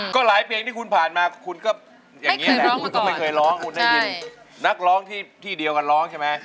ก็หลายเพลงที่คุณผ่านมาคุณก็ไม่เคยร้องนักร้องที่เดียวกันร้องใช่ไหม